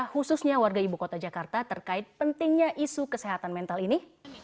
khususnya warga ibu kota jakarta terkait pentingnya isu kesehatan mental ini